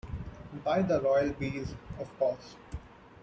By the royal bees, of course.